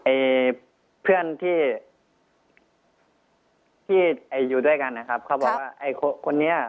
ไอ้เพื่อนที่อยู่ด้วยกันนะครับเขาบอกว่าไอ้คนนี้